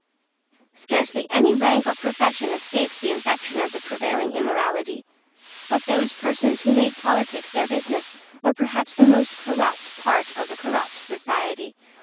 Scarcely any rank or profession escaped the infection of the prevailing immorality; but those persons who made politics their business were perhaps the most corrupt part of the corrupt society.